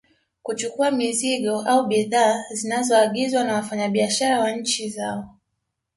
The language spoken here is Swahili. Kuchukua mizigo au bidhaa zinazoagizwa na wafanya biashara wa nchi zao